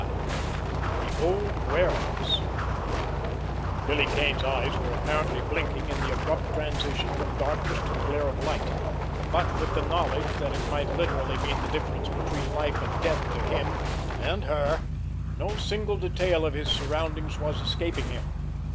XXV—THE OLD WAREHOUSE Billy Kane's eyes were apparently blinking in the abrupt transition from darkness to the glare of light; but with the knowledge that it might literally mean the difference between life and death to him—and her—no single detail of his surroundings was escaping him.